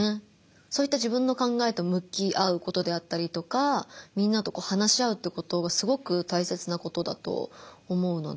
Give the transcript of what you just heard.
そういった自分の考えと向き合うことであったりとかみんなと話し合うってことがすごく大切なことだと思うので。